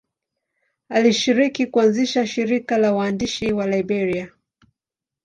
Alishiriki kuanzisha shirika la waandishi wa Liberia.